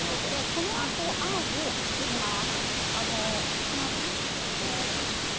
このあとあんを作ります。